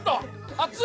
熱い。